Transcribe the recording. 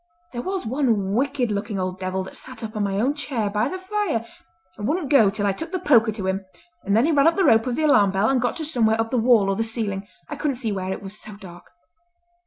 There was one wicked looking old devil that sat up on my own chair by the fire, and wouldn't go till I took the poker to him, and then he ran up the rope of the alarm bell and got to somewhere up the wall or the ceiling—I couldn't see where, it was so dark."